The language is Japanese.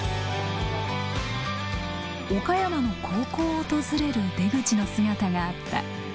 岡山の高校を訪れる出口の姿があった。